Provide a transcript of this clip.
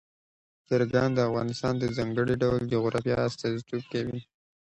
چرګان د افغانستان د ځانګړي ډول جغرافیه استازیتوب کوي.